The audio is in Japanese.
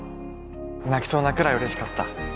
泣きそうなくらい嬉しかった